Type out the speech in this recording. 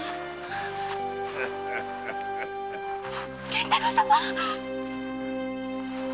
源太郎様！